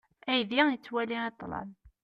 Aydi yettwali i ṭṭlam.